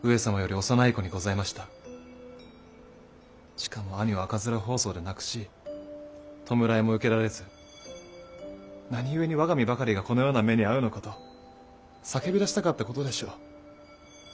しかも兄を赤面疱瘡で亡くし弔いも受けられず何故に我が身ばかりがこのような目に遭うのかと叫びだしたかったことでしょう！